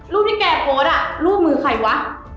รูปที่แกโพสต์รูปมือใครวะ